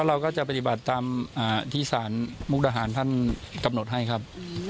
เราก็จะปฏิบัติตามที่สารมุกดาหารท่านกำหนดให้ครับ